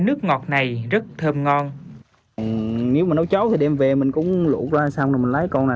nước ngọt này rất thơm ngon nếu mà nấu cháo thì đem về mình cũng lụt ra xong rồi mình lấy con này